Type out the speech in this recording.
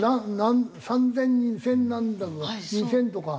３０００人１０００なんだとか２０００とか。